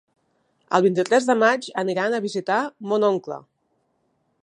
El vint-i-tres de maig aniran a visitar mon oncle.